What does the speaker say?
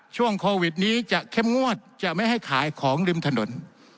ช่วงโควิดนี้จะเข้มงวดจะไม่ให้ขายของริมถนน